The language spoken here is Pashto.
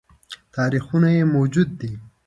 تاریخونه یې موجود دي